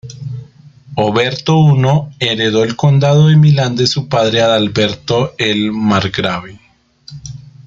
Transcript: Oberto I heredó el condado de Milán de su padre, Adalberto el Margrave.